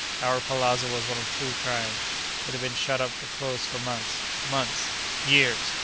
Our palazzo was one of the true kind. It had been shut up close for months. Months?—years!